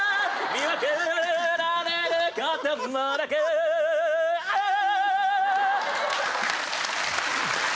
見送られることもなくあぁっ！